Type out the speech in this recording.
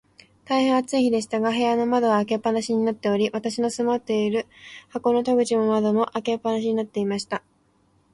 大へん暑い日でしたが、部屋の窓は開け放しになっており、私の住まっている箱の戸口も窓も、開け放しになっていました。